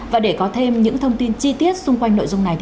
và để có thêm những thông tin chi tiết xung quanh nội dung này